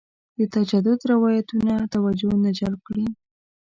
د تجدید روایتونه توجه نه جلب کړې.